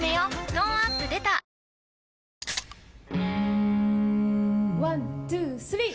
トーンアップ出たワン・ツー・スリー！